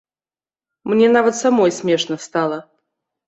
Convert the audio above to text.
Мне нават самой смешна стала.